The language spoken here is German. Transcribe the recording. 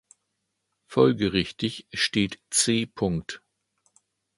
Folgerichtig steht „C.